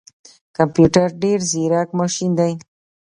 کمپيوټر ډیر ځیرک ماشین دی